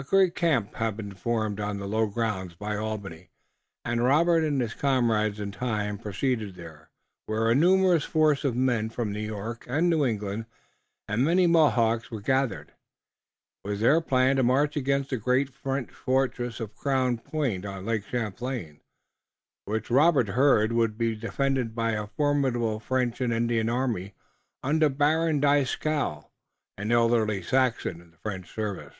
A great camp had been formed on the low grounds by Albany, and Robert and his comrades in time proceeded there, where a numerous force of men from New York and New England and many Mohawks were gathered. It was their plan to march against the great French fortress of Crown Point on Lake Champlain, which Robert heard would be defended by a formidable French and Indian army under Baron Dieskau, an elderly Saxon in the French service.